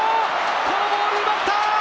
このボールを奪った！